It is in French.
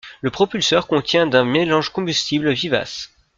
Le propulseur contient d'un mélange combustible vivace.